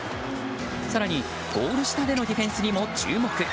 更に、ゴール下でのディフェンスにも注目。